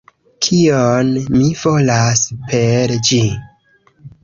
Kion mi volas per ĝi?